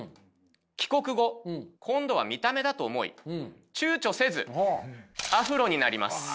帰国後今度は見た目だと思い躊躇せずアフロになります。